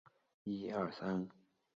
野桐为大戟科野桐属下的一个变种。